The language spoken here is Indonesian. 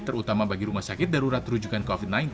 terutama bagi rumah sakit darurat rujukan covid sembilan belas